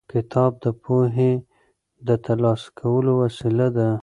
کتاب د پوهې د ترلاسه کولو وسیله ده.